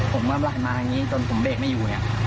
ผมก็ไล่มาทางนี้จนผมเบรกไม่อยู่เนี่ย